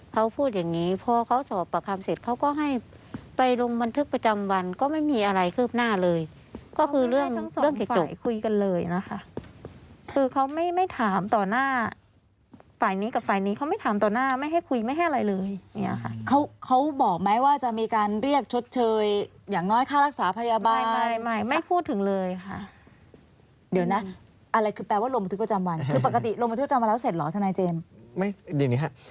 เขาพูดอย่างงี้พอเขาสอบประคำเสร็จเขาก็ให้ไปโรงบันทึกประจำวันก็ไม่มีอะไรเคลือบหน้าเลยก็คือเรื่องทั้งสองฝ่ายคุยกันเลยนะคะคือเขาไม่ไม่ถามต่อหน้าฝ่ายนี้กับฝ่ายนี้เขาไม่ถามต่อหน้าไม่ให้คุยไม่ให้อะไรเลยเนี้ยค่ะเขาเขาบอกไหมว่าจะมีการเรียกชดเชยอย่างน้อยค่ารักษาพยาบาลไม่ไม่ไม่พูดถึงเลยค่ะเดี